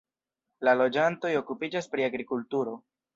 La loĝantoj okupiĝas pri agrikulturo.